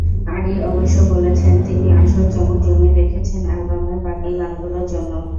আরি অবশ্য বলছেন, তিনি আসল চমক জমিয়ে রেখেছেন অ্যালবামের বাকি গানগুলোর জন্য।